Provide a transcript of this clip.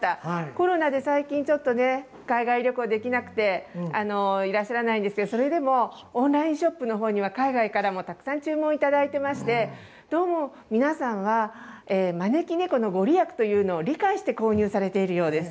コロナで最近、ちょっとね海外旅行できなくていらっしゃらないんですけどそれでもオンラインショップのほうには海外からもたくさん注文いただいてましてどうも皆さんは招き猫の御利益というのを理解して購入されているようです。